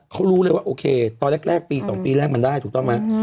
เขารู้เลยว่าโอเคตอนแรกปี๒ปีแรกมันได้ถูกต้องไหม